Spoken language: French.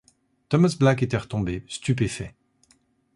Thomas Black était retombé, stupéfait!